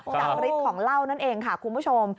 จากฤทธิ์ของเหล้านั่นเองค่ะคุณผู้ชม